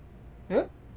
えっ？